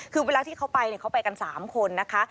คือเวลาที่เขาไปเขาไปกัน๓คนนะคะ